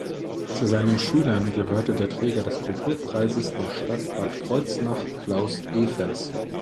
Zu seinen Schülern gehörte der Träger des Kulturpreises der Stadt Bad Kreuznach Klaus Evers.